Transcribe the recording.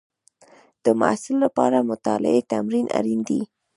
د محصل لپاره مطالعې تمرین اړین دی.